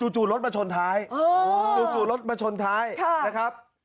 จู่รถมาชนท้ายจู่รถมาชนท้ายนะครับ